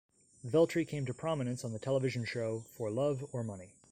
Veltri came to prominence on the television show, "For Love or Money".